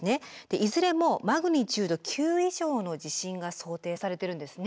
いずれもマグニチュード９以上の地震が想定されてるんですね。